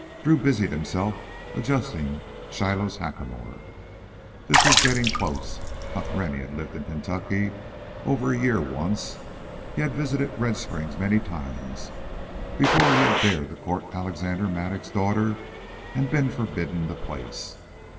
Drew busied himself adjusting Shiloh's hackamore. This was getting close. Hunt Rennie had lived in Kentucky over a year once. He had visited Red Springs many times before he had dared to court Alexander Mattock's daughter and been forbidden the place.